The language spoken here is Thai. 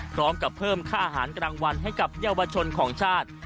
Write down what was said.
พร้อมกับเพิ่มค่าอาหารกลางวันให้กับเยาวชนของชาติ